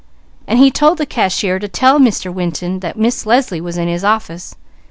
But he told the cashier to tell Mr. Winton that Miss Leslie was in his office.